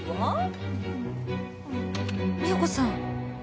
美保子さん。